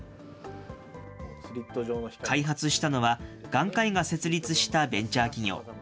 開発したのは眼科医が設立したベンチャー企業。